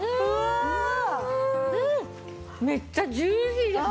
めっちゃジューシーです。